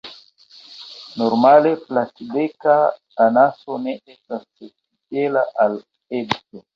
Normale Platbeka anaso ne estas fidela al edzo.